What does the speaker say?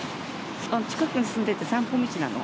近くに住んでて、散歩道なの。